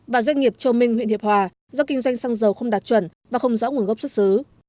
và doanh nghiệp châu minh huyện hiệp hòa do kinh doanh xăng dầu không đạt chuẩn và không rõ nguồn gốc xuất xứ